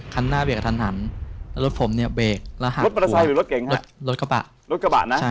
กระบะใหม่ลงแล้วรอดผมเนี่ยเบรก